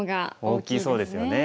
大きそうですよね。